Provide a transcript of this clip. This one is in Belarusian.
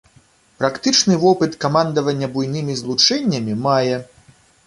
Практычны вопыт камандавання буйнымі злучэннямі мае.